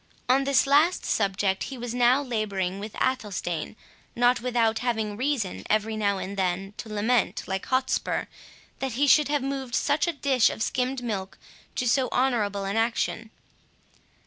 On this last subject, he was now labouring with Athelstane, not without having reason, every now and then, to lament, like Hotspur, that he should have moved such a dish of skimmed milk to so honourable an action.